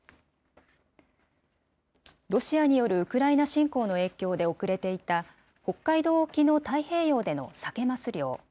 ロシアによるウクライナ侵攻の影響で遅れていた、北海道沖の太平洋でのサケ・マス漁。